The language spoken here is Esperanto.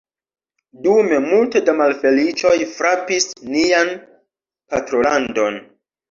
Dume, multe da malfeliĉoj frapis nian patrolandon.